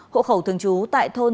hộ khẩu thường trú tại thôn